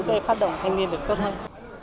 để phát động thanh niên được tốt hơn